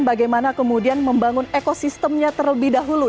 bagaimana kemudian membangun ekosistemnya terlebih dahulu